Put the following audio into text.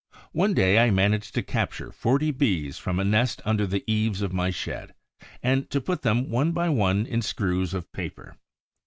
One day I managed to capture forty Bees from a nest under the eaves of my shed, and to put them one by one in screws of paper.